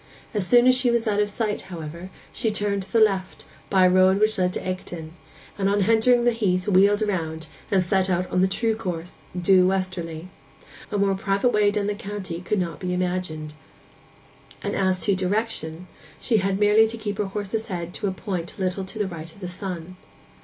As soon as she was out of sight, however, she turned to the left, by a road which led into Egdon, and on entering the heath wheeled round, and set out in the true course, due westerly. A more private way down the county could not be imagined; and as to direction, she had merely to keep her horse's head to a point a little to the right of the sun.